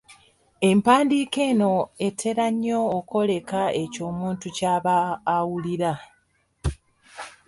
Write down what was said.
Empandiika eno etera nnyo okwoleka ekyo omuntu ky'aba awulira.